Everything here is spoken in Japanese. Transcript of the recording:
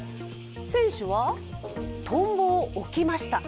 選手はトンボを置きました。